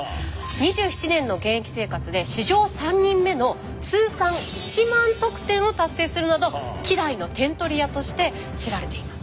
２７年の現役生活で史上３人目のを達成するなど希代の点取り屋として知られています。